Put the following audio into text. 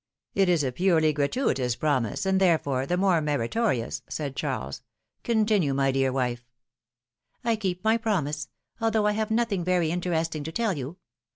'^ It is a purely gratuitous promise, and, therefore, the more meritorious,'' said Charles. ^' Continue, my dear wife." — I keep my promise, although I have nothing very interesting to tell you.